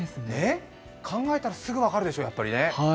考えたらすぐ分かるでしょやっぱりね。